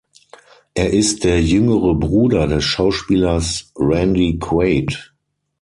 Er ist der jüngere Bruder des Schauspielers Randy Quaid.